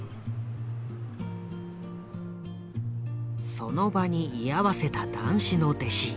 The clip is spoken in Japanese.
その場に居合わせた談志の弟子